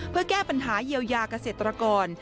เพื่อแก้ปัญหาเยียวยาเกษตรกร